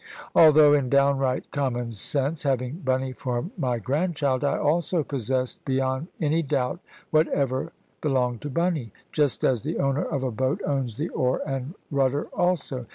Although, in downright common sense, having Bunny for my grandchild, I also possessed beyond any doubt whatever belonged to Bunny; just as the owner of a boat owns the oars and rudder also.